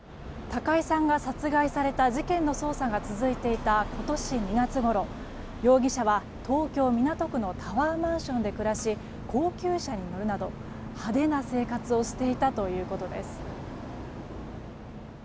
高井さんが殺害された事件の捜査が続いていた今年２月ごろ、容疑者は東京・港区のタワーマンションで暮らし高級車に乗るなど派手な生活をしていたということです。